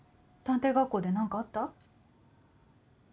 探偵学校で何かあった？